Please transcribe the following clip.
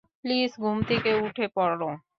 Please ঘুম থেকে উঠে পড়ো।